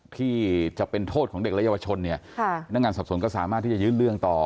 ที่จะเป็นโทษของเด็กและเยาวชนเนี่ยค่ะนักงานสอบสวนก็สามารถที่จะยื่นเรื่องต่อ